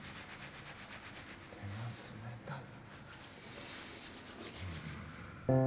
手が冷たい。